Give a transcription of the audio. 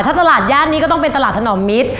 ถ้าตลาดย่านนี้ก็ต้องเป็นตลาดถนอมมิตร